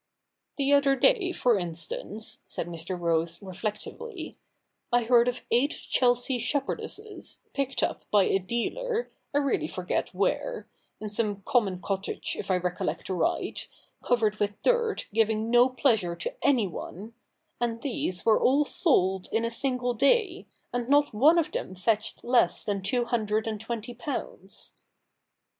' The other day, for instance,' said Mr. Rose reflectively, ' I heard of eight Chelsea shepherdesses, picked up by a dealer, I really forget where — in some common cottage, if I recollect aright, covered with dirt, giving no pleasure to anyone — and these were all sold in a single day. and not one of them fetched less than two hundred and twenty pounds.'